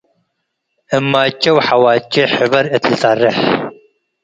እማቼ ወሐዋቼ ሕበር እት ልጸርሕ፣